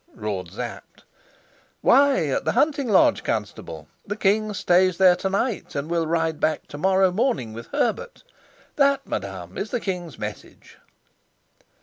roared Sapt. "Why, at the hunting lodge, Constable. The king stays there to night, and will ride back tomorrow morning with Herbert. That, madam, is the king's message."